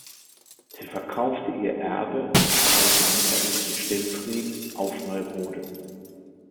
Sie verkaufte ihr Erbe dem Freiherrn Michael von Stillfried auf Neurode.